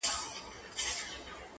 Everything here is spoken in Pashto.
یا ورته نوري پېښي